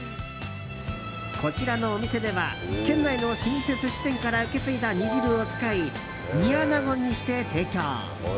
こちらのお店では県内の老舗寿司店から受け継いだ煮汁を使い煮穴子にして提供。